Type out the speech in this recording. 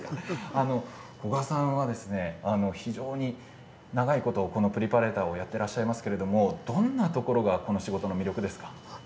古閑さんは非常に長いことプリパレーターをやっていらっしゃいますがどんなところがこの仕事の魅力ですか。